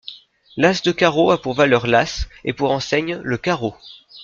L'as de carreau a pour valeur l'as et pour enseigne le carreau.